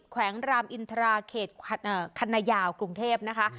แขวงรามอินทราเขตคันนายาวกรุงเทพนะคะ